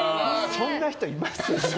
そんな人います？